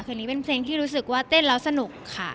นี้เป็นเพลงที่รู้สึกว่าเต้นแล้วสนุกค่ะ